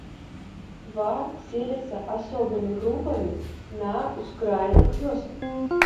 Тва селяцца асобнымі групамі на ўскраінах вёсак.